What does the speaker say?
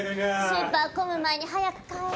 スーパー混む前に早く帰ろ。